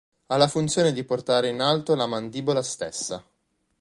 Ha la funzione di portare in alto la mandibola stessa.